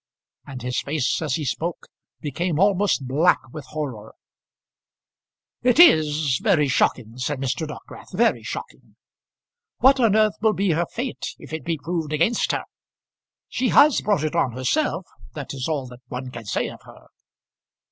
and his face as he spoke became almost black with horror. "It is very shocking," said Mr. Dockwrath; "very shocking. What on earth will be her fate if it be proved against her? She has brought it on herself; that is all that one can say of her."